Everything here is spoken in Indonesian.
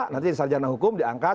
nanti di sarjana hukum diangkat